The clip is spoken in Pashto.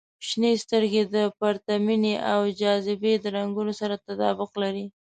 • شنې سترګې د پرتمینې او جاذبې د رنګونو سره تطابق لري.